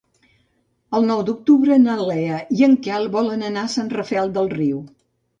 El nou d'octubre na Lea i en Quel volen anar a Sant Rafel del Riu.